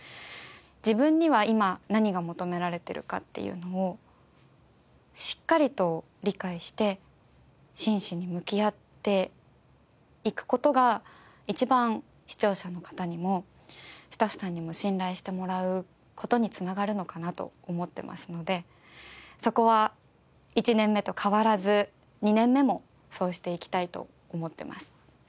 自分には今何が求められてるかっていうのをしっかりと理解して真摯に向き合っていく事が一番視聴者の方にもスタッフさんにも信頼してもらう事に繋がるのかなと思ってますのでそこは１年目と変わらず２年目もそうしていきたいと思ってます。